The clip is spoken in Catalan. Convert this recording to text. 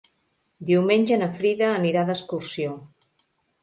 Diumenge na Frida anirà d'excursió.